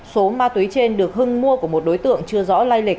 số ma túy trên được hưng mua của một đối tượng chưa rõ lai lịch